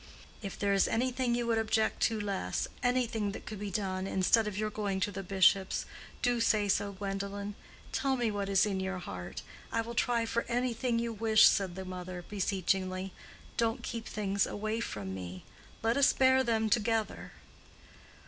"If there is anything you would object to less—anything that could be done—instead of your going to the bishop's, do say so, Gwendolen. Tell me what is in your heart. I will try for anything you wish," said the mother, beseechingly. "Don't keep things away from me. Let us bear them together."